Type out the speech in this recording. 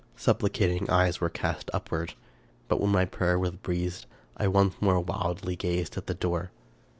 Supplicating eyes were cast upward ; but when my prayer was breathed I once more wildly gazed at the door.